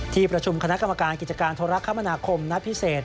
ที่ประชุมคณะกรรมการกิจการโทรคมนาคมนัดพิเศษ